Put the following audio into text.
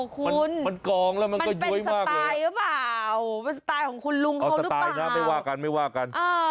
คุณมันเป็นสไตล์หรือเปล่าเป็นสไตล์ของคุณลุงเขาหรือเปล่าเอาสไตล์นะไม่ว่ากัน